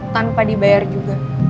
tanpa dibayar juga